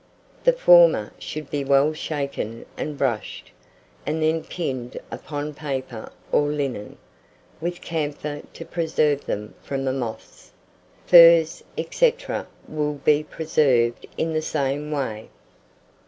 The former should be well shaken and brushed, and then pinned upon paper or linen, with camphor to preserve them from the moths. Furs, &c., will be preserved in the same way.